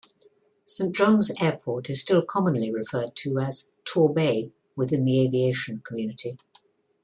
Saint John's Airport is still commonly referred to as "Torbay" within the aviation community.